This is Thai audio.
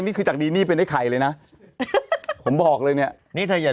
นี่คือจากดีนี่เป็นไอ้ไข่เลยนะผมบอกเลยเนี่ยนี่ถ้าอย่า